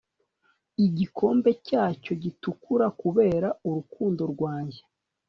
igikombe cyacyo gitukura kubera urukundo rwanjye